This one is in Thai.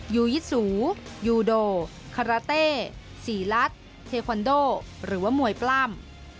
ยูยิสูยูโดคาราเต้ศรีรัฐเทคอนโดหรือว่ามวยปล้ำ